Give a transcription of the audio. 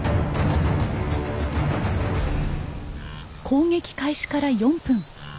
攻撃開始から４分。